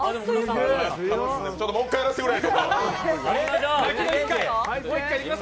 ちょっと、もう一回やらせてくれ。